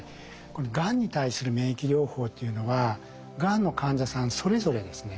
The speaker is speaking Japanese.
このがんに対する免疫療法というのはがんの患者さんそれぞれですね